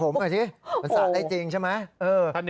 มันสารได้จริงใช่ไหม